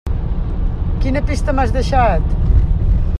Quina pista m'has deixat?